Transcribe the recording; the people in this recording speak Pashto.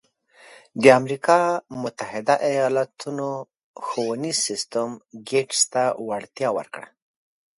د امریکا متحده ایالتونو ښوونیز سیستم ګېټس ته وړتیا ورکړه.